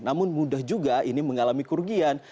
namun mudah juga ini mengalami kerugian